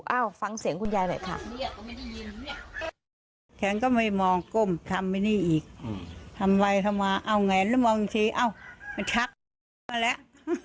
เอ้าฟังเสียงคุณยายหน่อยค่ะ